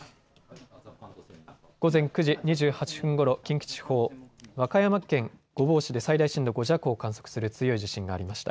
午前９時２８分ごろ、近畿地方、和歌山県御坊市で最大震度５弱を観測する地震がありました。